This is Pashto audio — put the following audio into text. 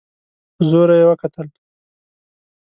په زوره يې وکتل.